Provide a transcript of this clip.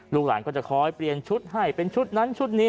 ลูกหลานก็จะคอยเปลี่ยนชุดให้เป็นชุดนั้นชุดนี้